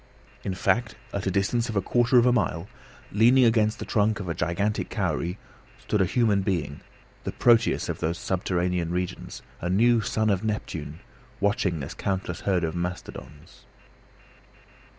In fact, at a distance of a quarter of a mile, leaning against the trunk of a gigantic kauri, stood a human being, the Proteus of those subterranean regions, a new son of Neptune, watching this countless herd of mastodons.